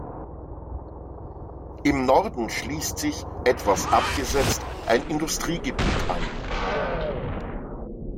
Im Norden schließt sich, etwas abgesetzt, ein Industriegebiet an.